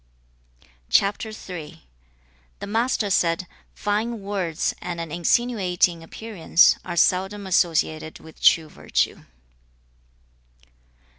The Master said, 'Fine words and an insinuating appearance are seldom associated with true virtue.'